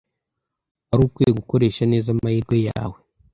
Wari ukwiye gukoresha neza amahirwe yawe.